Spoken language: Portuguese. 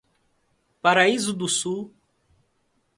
Paraíso do Sul